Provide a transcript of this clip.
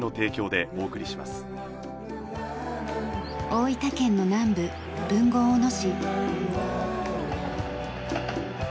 大分県の南部豊後大野市。